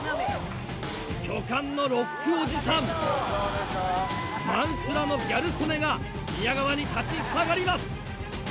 巨漢のロックおじさんマンスラのギャル曽根が宮川に立ちふさがります！